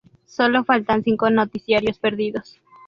Solo faltan cinco noticiarios perdidos.